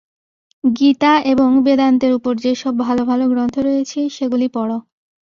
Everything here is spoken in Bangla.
গীতা এবং বেদান্তের উপর যে-সব ভাল ভাল গ্রন্থ রয়েছে, সেগুলি পড়।